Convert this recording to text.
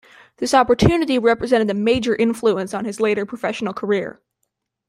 This opportunity represented a major influence on his later professional career.